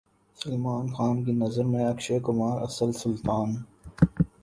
سلمان خان کی نظر میں اکشے کمار اصل سلطان